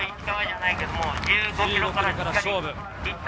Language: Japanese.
１５ｋｍから勝負。